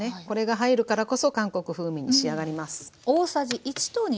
これが入るからこそ韓国風味に仕上がります。